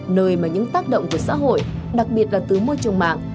nơi mà những tác động của xã hội đặc biệt là từ môi trường mạng